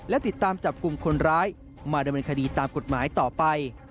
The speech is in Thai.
และติดตามจับกลุ่มคนร้ายมาดำเนินคดีตามกฎหมายต่อไป